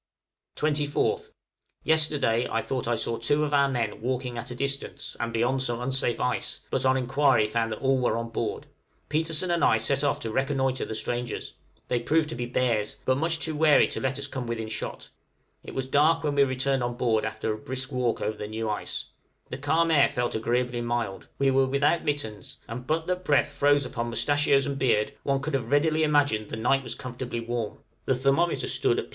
{BEARS AMUSEMENTS.} 24th. Yesterday I thought I saw two of our men walking at a distance, and beyond some unsafe ice, but on enquiry found that all were on board: Petersen and I set off to reconnoitre the strangers; they proved to be bears, but much too wary to let us come within shot. It was dark when we returned on board after a brisk walk over the new ice. The calm air felt agreeably mild. We were without mittens; and but that the breath froze upon moustachios and beard, one could have readily imagined the night was comfortably warm. The thermometer stood at +5°.